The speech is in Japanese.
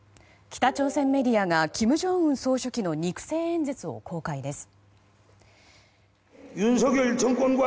北朝鮮メディアが金正恩総書記の肉声演説を公開です。